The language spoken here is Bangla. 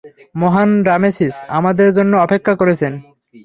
মহান রামেসিস আমাদের জন্য অপেক্ষা করছেন!